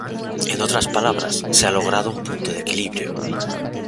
En otras palabras, se ha logrado un punto de equilibrio.